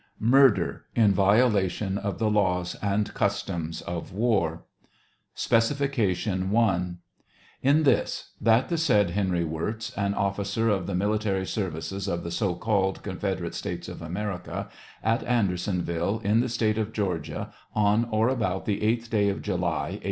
— Murder, in violation of the laws and customs of war. Specification 1. — In this : that the said Henry Wirz, an officer in the military service of the so called Confederate States of America, at Andersonville, in the State of Georgia, on or about the eighth day of July, A.